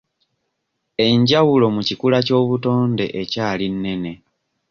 Enjawulo mu kikula ky'obutonde ekyali nnene.